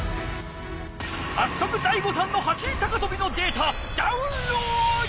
さっそく醍醐さんの走り高とびのデータダウンロード！